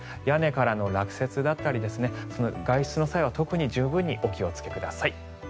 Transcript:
屋根からの落雪だったり外出の際は特にお気をつけください。